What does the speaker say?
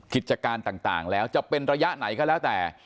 กิจการต่างแล้วจะเป็นระยะไหนก็แล้วแต่